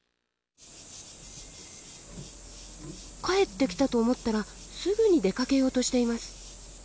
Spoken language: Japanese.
帰ってきたと思ったらすぐに出かけようとしています。